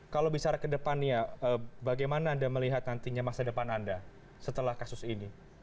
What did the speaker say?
kalau bicara ke depannya bagaimana anda melihat nantinya masa depan anda setelah kasus ini